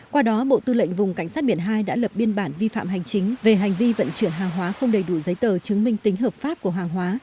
qua đó bộ tư lệnh vùng cảnh sát biển hai đã lập biên bản vi phạm hành chính về hành vi vận chuyển hàng hóa không đầy đủ giấy tờ chứng minh tính hợp pháp của hàng hóa